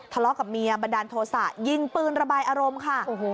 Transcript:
ทะเลาะกับเมียบันดาลโทษะยิงปืนระบายอารมณ์ค่ะ